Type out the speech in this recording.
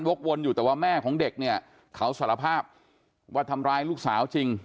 กวนอยู่แต่ว่าแม่ของเด็กเนี่ยเขาสารภาพว่าทำร้ายลูกสาวจริง